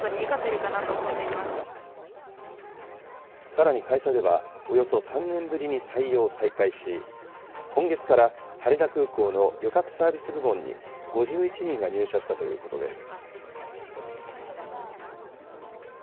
さらに会社では、およそ３年ぶりに採用を再開し、今月から羽田空港の旅客サービス部門に５１人が入社したということです。